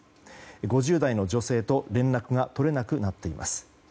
５０代の女性と連絡が取れなくなっています。